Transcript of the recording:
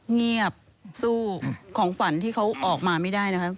เงียบสู้ของขวัญที่เขาออกมาไม่ได้นะครับ